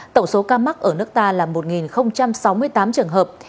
tổng số ca mắc ở nước ta là một sáu mươi tám trường hợp